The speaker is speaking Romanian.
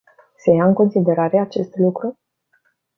Se ia în considerare acest lucru?